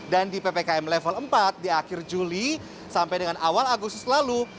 dan di ppkm level empat di akhir juli sampai dengan awal agustus lalu